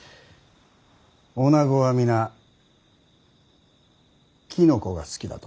女子は皆きのこが好きだと。